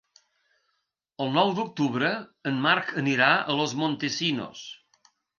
El nou d'octubre en Marc anirà a Los Montesinos.